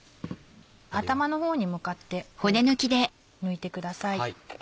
頭の方に向かって抜いてください。